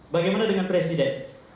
bagaimana dengan presiden